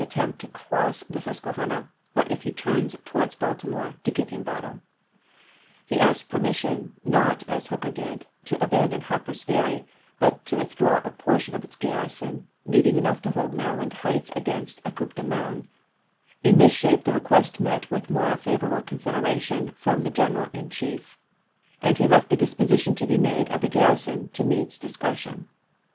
eeck, attempt to cross the Susquehanna, or if he turns li8?3. ' towards Baltimore, to give him battle." He asked p. si.' permission, not, as Hooker did, to abandon Harper's Ferry, but to withdraw a portion of its garrison, leaving enough to hold Maryland Heights against a coup de main ; in this shape the request met with more favorable consideration from the general in 229 230 ABRAHAM LINCOLN 7WF GETTYSBURG 231 r^ 232 ABRAHAM LINCOLN chap. ix. chief, and lie left the disposition to be made of the garrison to Meade's discretion.